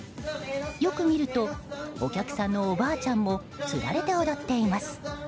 よく見るとお客さんのおばあちゃんもつられて踊っています。